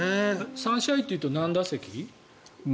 ３試合っていうと何打席？